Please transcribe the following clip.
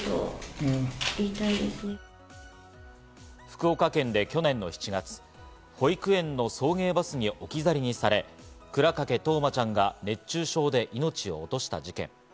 福岡県で去年の７月、保育園の送迎バスに置き去りにされ、倉掛冬生ちゃんが熱中症で命を落とした事件。